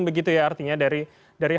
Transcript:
begitu ya artinya dari